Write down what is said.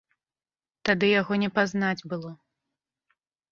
Тады яго не пазнаць было.